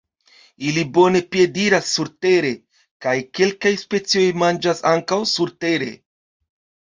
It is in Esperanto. Ili bone piediras surtere, kaj kelkaj specioj manĝas ankaŭ surtere.